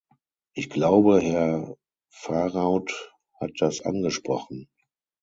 Ich glaube, Herr Varaut hat das angesprochen.